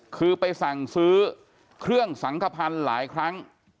คือไปสั่งซื้อเครื่องสังขพันธ์หลายครั้ง